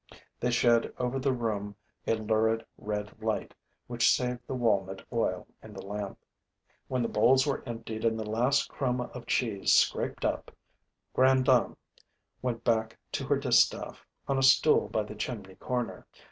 They shed over the room a lurid red light, which saved the walnut oil in the lamp. When the bowls were emptied and the last crumb of cheese scraped up, grandam went back to her distaff, on a stool by the chimney corner.